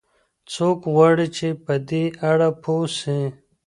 څوک غواړي چي په دې اړه پوه سي؟